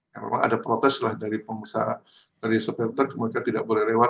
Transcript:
yang normal ada protes lah dari pemusaha dari sepeda truk mereka tidak boleh lewat